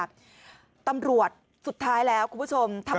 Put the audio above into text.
กลุ่มหนึ่งก็คือ